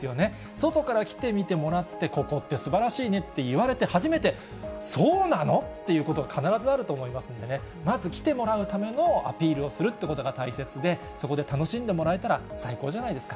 外から来てみてもらって、ここってすばらしいねって言われて初めて、そうなの？っていうことが必ずあると思いますんでね、まず来てもらうためのアピールをするってことが大切で、そこで楽しんでもらえたら最高じゃないですか。